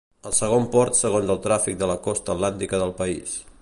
El segon port segons el tràfic de la costa atlàntica del país.